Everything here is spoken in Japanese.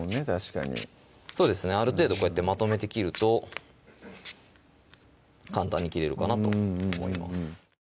確かにそうですねある程度こうやってまとめて切ると簡単に切れるかなと思います